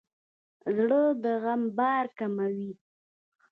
زړه د غم بار کموي.